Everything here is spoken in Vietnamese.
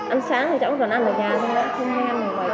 ăn sáng cháu còn ăn ở nhà thôi